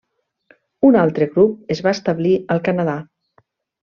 Un altre grup es va establir al Canadà.